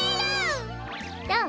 どう？